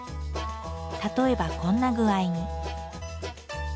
例えばこんな具合に。